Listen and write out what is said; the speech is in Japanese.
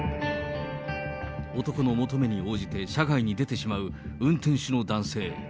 男の求めに応じて車外に出てしまう運転手の男性。